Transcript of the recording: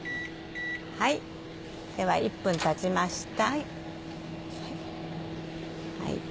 では１分たちました。